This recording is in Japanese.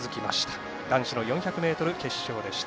男子の４００ｍ決勝でした。